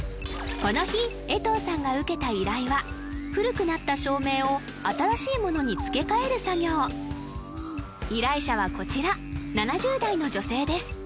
この日江藤さんが受けた依頼は古くなった照明を新しいものに付け替える作業依頼者はこちら７０代の女性です